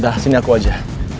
dah sini aku aja